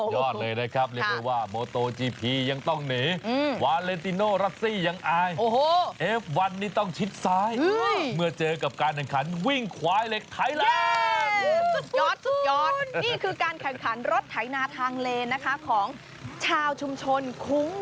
เพ็ดต์แมกนัสมีการเปลี่ยนรถฟอร์มูล่าวันที่แข่งแบบเร็วคิดว่ามันเป็นเอสเตอร์แมนอัลพอร์ที่ล๊อคเตอร์ดาวน์แค่นิดหนึ่ง